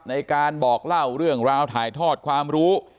ในการบอกเล่าเรื่องราวถ่ายทอดความรู้